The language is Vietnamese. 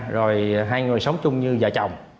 rồi hai người sống chung như vợ chồng